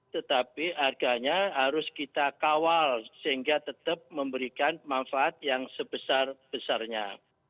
tetapi harganya harus kita kawal sehingga tetap memberikan manfaat yang sebesar besarnya